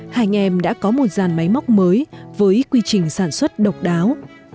hai anh em đã có một dàn máy móc mới với quy trình sản xuất độc đáo